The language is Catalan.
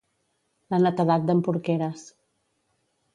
La netedat d'en Porqueres.